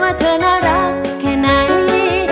เธอน่ารักแค่ไหน